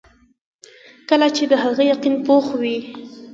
ځکه چې د هغه يقين پوخ وي -